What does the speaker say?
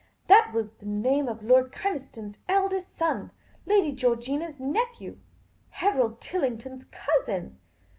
That was the name of Lord Kynaston's eldest son — Lady Georgina's nephew ; Harold Tillington's cousin